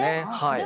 はい。